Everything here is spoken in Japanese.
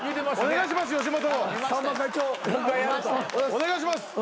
お願いします。